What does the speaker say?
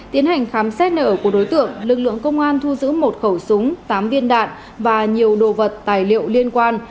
tiến hành khám xét nở của đối tượng lực lượng công an thu giữ một khẩu súng tám viên đạn và nhiều đồ vật tài liệu liên quan